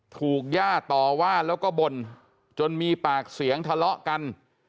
ย่าต่อว่าแล้วก็บ่นจนมีปากเสียงทะเลาะกัน